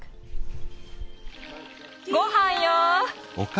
・ごはんよ！